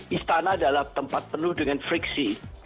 istana adalah tempat penuh dengan friksi